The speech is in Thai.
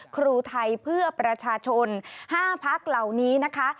ครูไทยเพื่อประชาชน๕พักเหล่านี้นะคะ